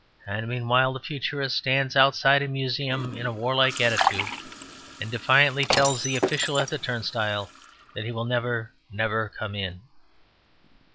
And meanwhile the Futurist stands outside a museum in a warlike attitude, and defiantly tells the official at the turnstile that he will never, never come in.